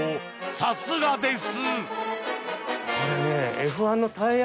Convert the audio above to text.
さすがです。